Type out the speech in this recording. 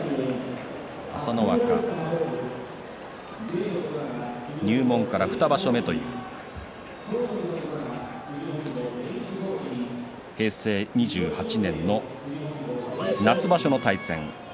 朝乃若、入門から２場所目という平成２８年の夏場所の対戦。